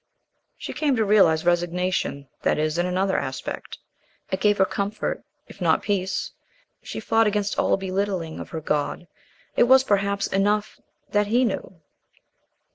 She came to realize resignation, that is, in another aspect. It gave her comfort, if not peace. She fought against all belittling of her God. It was, perhaps, enough that He knew.